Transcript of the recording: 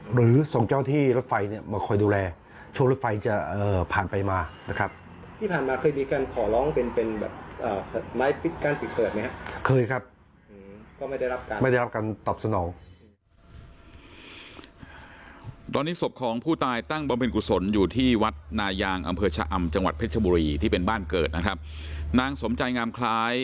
หรือส่งเจ้าที่รถไฟเนี่ยมาคอยดูแลช่วงรถไฟจะผ่านไปมานะครับที่ผ่านมาเคยมีการขอร้องเป็นเป็นแบบไม้ปิดกั้นปิดเกิดไหมครับเคยครับก็ไม่ได้รับการไม่ได้รับการตอบสนองตอนนี้ศพของผู้ตายตั้งบำเพ็ญกุศลอยู่ที่วัดนายางอำเภอชะอำจังหวัดเพชรบุรีที่เป็นบ้านเกิดนะครับนางสมใจงามคล้าย